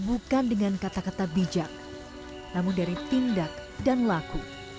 bukan dengan kata kata bijak namun dari tindak dan laku